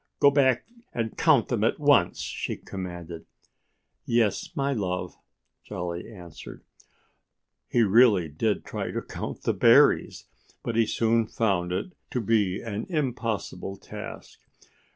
"Go back and count them at once!" she commanded. "Yes, my love!" Jolly answered. He really did try to count the berries. But he soon found it to be an impossible task.